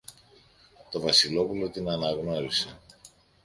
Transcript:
Το Βασιλόπουλο την αναγνώρισε.